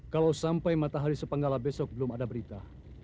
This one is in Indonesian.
kalau sampai matahari sepenggala besok belum ada berita